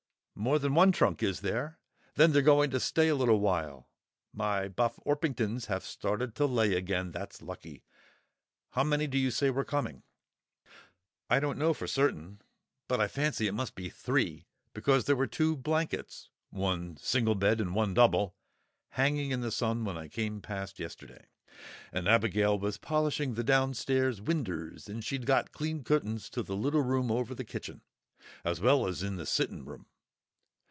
"More than one trunk, is there? Then they're going to stay a little while. My Buff Orpingtons have started to lay again; that's lucky. How many do you say were coming?" "I don't know for certain, but I fancy it must be three, because there were two blankets, one single bed and one double, hanging in the sun when I came past yesterday, and Abigail was polishing the downstairs winders, and she'd got clean cutt'ns to the little room over the kitchen, as well as in the sittin' room.